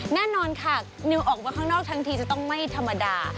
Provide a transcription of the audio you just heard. แน่นอนค่ะนิวออกมาข้างนอกทั้งทีจะต้องไม่ธรรมดา